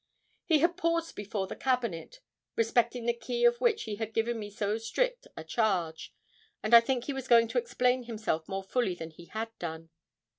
He had paused before the cabinet, respecting the key of which he had given me so strict a charge, and I think he was going to explain himself more fully than he had done.